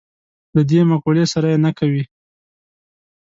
له دې مقولې سره یې نه کوي.